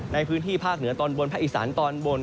ในพื้นที่ภาคเหนือตอนบนภาคอีสานตอนบน